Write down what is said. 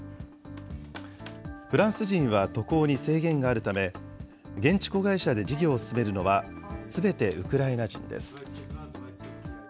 フランス人は渡航に制限があるため、現地子会社で事業を進めるのは、すべてウクライナ人です。